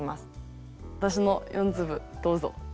私の４粒どうぞ。